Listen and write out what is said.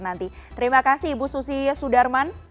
nanti terima kasih ibu susi sudarman